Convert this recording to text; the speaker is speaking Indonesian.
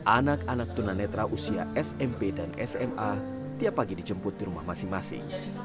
anak anak tunanetra usia smp dan sma tiap pagi dijemput di rumah masing masing